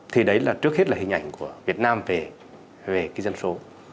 thì đấy là trước hết là hình ảnh của việt nam về cái dân số